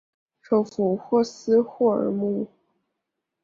首府霍斯霍尔姆。